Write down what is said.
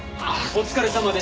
お疲れさまでした。